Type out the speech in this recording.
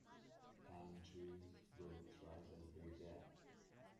Palm trees grow twice as big there.